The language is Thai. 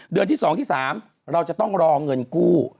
ที่๒ที่๓เราจะต้องรอเงินกู้